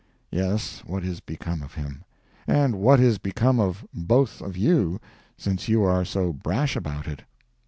Yes, what is become of him—and what is become of both of you, since you are so brash about it?